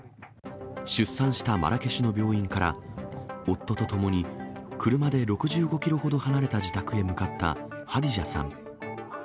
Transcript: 出産したマラケシュの病院から、夫と共に、車で６５キロほど離れた自宅へ向かったハディジャさん。